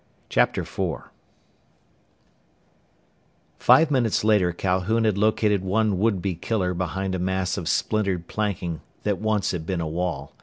4 Five minutes later Calhoun had located one would be killer behind a mass of splintered planking that once had been a wall.